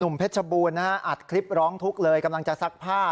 หนุ่มเพชรชบูรณ์อัดคลิปร้องทุกเลยกำลังจะซักผ้า